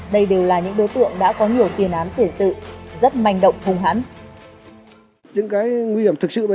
đây đều là những đối tượng đã có nhiều thương hiệu